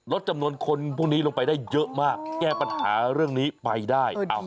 จำนวนคนพวกนี้ลงไปได้เยอะมากแก้ปัญหาเรื่องนี้ไปได้